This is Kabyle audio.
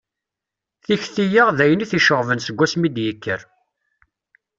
Tikti-a, d ayen i t-iceɣben seg wasmi i d-yekker